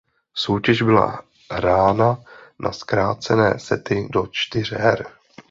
Soutěž byla hrána na zkrácené sety do čtyř her.